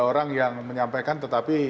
orang yang menyampaikan tetapi